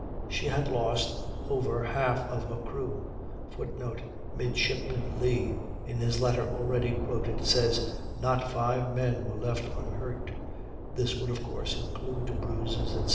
She had lost over half of her crew, [Footnote: Midshipman Lee, in his letter already quoted, says "not five men were left unhurt"; this would of course include bruises, etc.